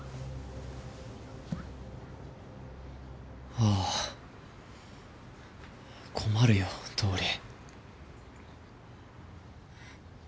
ああ困るよ倒理。